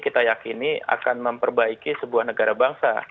kita yakini akan memperbaiki sebuah negara bangsa